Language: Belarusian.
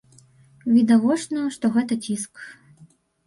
Відавочна, што гэта ціск.